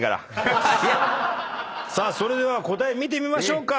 さあそれでは答え見てみましょうか。